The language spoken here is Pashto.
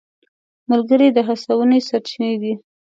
ملګري د هڅونې سرچینه دي.